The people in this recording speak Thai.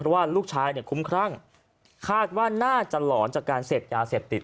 เพราะว่าลูกชายคุ้มคร่างคาดว่าน่าจะหลอนจากการเสพยาเสพติด